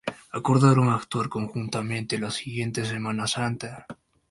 Acordaron actuar conjuntamente la siguiente Semana Santa.